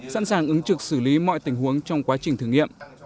sẵn sàng ứng trực xử lý mọi tình huống trong quá trình thử nghiệm